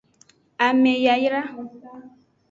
Ame yayra.